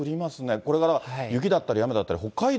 これが雪だったり雨だったり、北海道